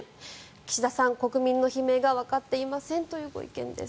岸田さん、国民の悲鳴がわかっていませんというご意見です。